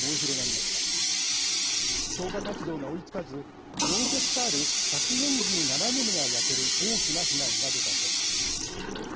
消火活動が追いつかず４ヘクタール１４７棟が焼ける大きな被害が出たんです。